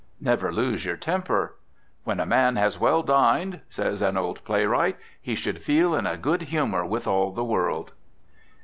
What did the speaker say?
Never lose your temper. "When a man has well dined," says an old playwright, "he should feel in a good humor with all the world."